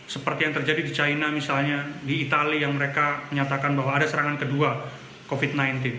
seperti yang terjadi di china misalnya di itali yang mereka menyatakan bahwa ada serangan kedua covid sembilan belas